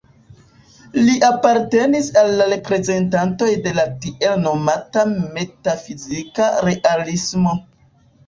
Li apartenis al la reprezentantoj de la tiel nomata "metafizika realismo".